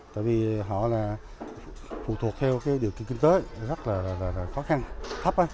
tại vì họ là phụ thuộc theo điều kiện kinh tế rất là khó khăn thấp